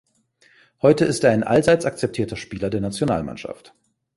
Heute ist er ein allseits akzeptierter Spieler der Nationalmannschaft.